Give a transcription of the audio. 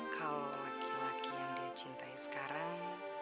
kalau laki laki yang dia cintai sekarang